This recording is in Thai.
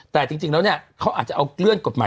แต่จริงแล้วเนี่ยเขาอาจจะเอาเลื่อนกฎหมาย